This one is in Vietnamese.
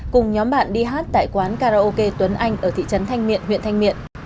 cùng nhóm bạn đi hát tại quán karaoke tuấn anh ở thị trấn thanh miện huyện thanh miện